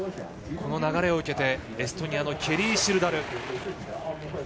この流れを受けてエストニアのケリー・シルダル。